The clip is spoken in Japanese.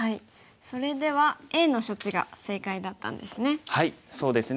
それではＡの処置が正解だったんですね。